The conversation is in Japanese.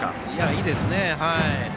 いいですね。